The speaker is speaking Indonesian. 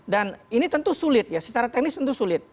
dan ini tentu sulit ya secara teknis tentu sulit